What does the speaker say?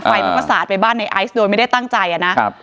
มันก็สาดไปบ้านในไอซ์โดยไม่ได้ตั้งใจอ่ะนะครับ